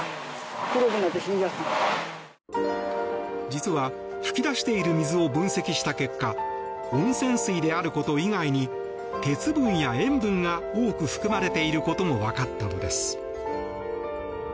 実は、噴き出している水を分析した結果温泉水であること以外に鉄分や塩分が多く含まれていることもわかったのです。